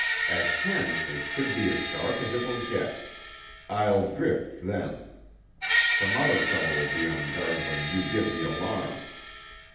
At ten it should be as dark as it will get. I'll drift then. Some other fellow will be on guard when you give the alarm."